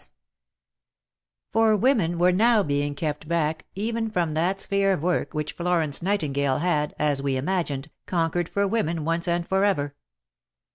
C.S. For women were now being kept back even from that sphere of work which Florence Nightingale had, as we imagined, conquered for women once and for ever.